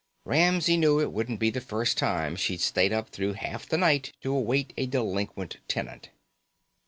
Ramsey knew it wouldn't be the first time she stayed up through half the night to await a delinquent tenant.